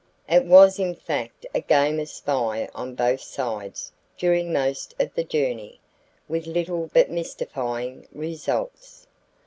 It was in fact a game of spy on both sides during most of the journey, with little but mystifying results.